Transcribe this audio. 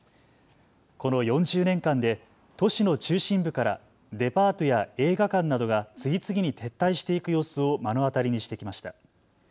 この４０年間で都市の中心部からデパートや映画館などが次々に撤退していく様子を目の当たりにしてきました。